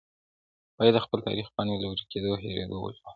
باید د خپل تاریخ پاڼې له ورکېدو او هېرېدو وژغورو.